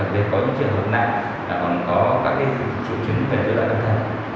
đặc biệt có những trường hợp nạn còn có các trụ trứng về dưới loạn tâm thần